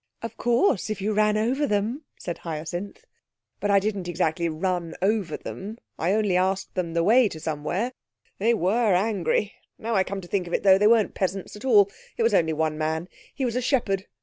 'Of course, if you ran over them!' said Hyacinth. 'But I didn't exactly run over them; I only asked them the way to somewhere. They were angry! Now I come to think of it, though, they weren't peasants at all. It was only one man. He was a shepherd.